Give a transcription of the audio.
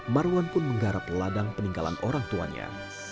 marwan pun menggarap ladang peninggalan orang tuanya